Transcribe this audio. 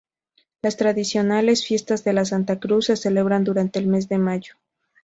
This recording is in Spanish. Las tradicionales fiestas de la Santa Cruz se celebran durante el mes de mayo.